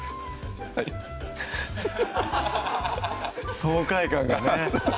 はい爽快感がね